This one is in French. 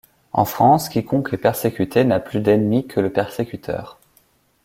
En France, quiconque est persécuté n’a plus d’ennemis que le persécuteur.